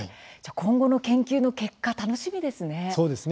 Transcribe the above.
今後の研究の結果が楽しみですね。